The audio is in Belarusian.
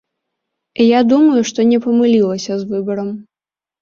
Я думаю, што не памылілася з выбарам.